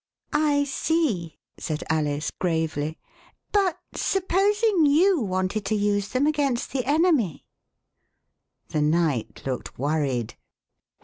I see," said Alice gravely ;but supposing you wanted to use them against the enemy }" The Knight looked worried.